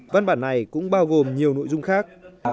văn bản này cũng bao gồm nhiều nội dung khác